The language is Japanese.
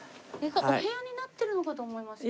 お部屋になってるのかと思いました。